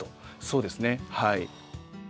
そうですねはい。